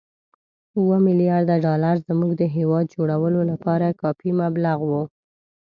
اووه ملیارده ډالر زموږ د هېواد جوړولو لپاره کافي مبلغ وو.